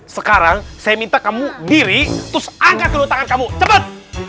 sekarang saya minta kamu diri terus angkat dulu tangan kamu cepat